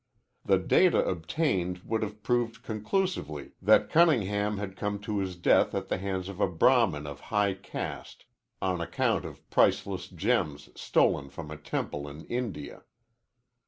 The data obtained would have proved conclusively that Cunningham had come to his death at the hands of a Brahmin of high caste on account of priceless gems stolen from a temple in India.